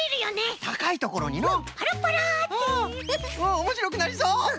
おもしろくなりそう！